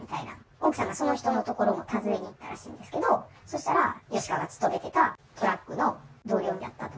奥さんがその人の所を訪ねていったらしいんですけれども、そしたら、吉川が勤めてたトラックの同僚だったと。